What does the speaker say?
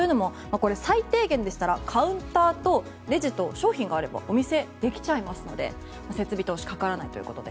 最低限でしたら、カウンターとレジと商品があればお店、できちゃいますので設備投資がかからないということで。